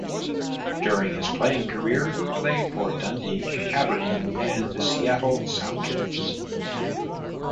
During his playing career he played for Dundee, Aberdeen and Seattle Sounders.